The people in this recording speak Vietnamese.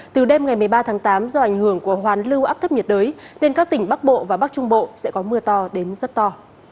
từ đêm ngày một mươi ba tháng tám do ảnh hưởng của hoàn lưu áp thấp nhiệt đới nên các tỉnh bắc bộ và bắc trung bộ sẽ có mưa to đến rất to